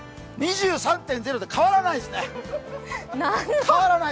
２３．０で変わらないですね。